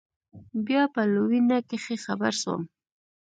بيا په لوېينه کښې خبر سوم.